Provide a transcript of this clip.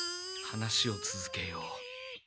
話をつづけよう。